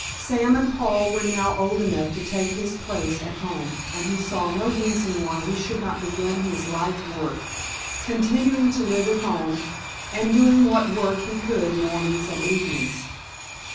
Sam and Paul were now old enough to take his place at home, and he saw no reason why he should not begin his life work, continuing to live at home, and doing what work he could mornings and evenings.